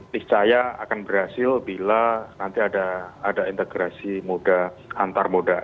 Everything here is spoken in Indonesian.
niscaya akan berhasil bila nanti ada integrasi moda antar moda